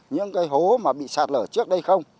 những cái hố mà bị sạt lở trước đây không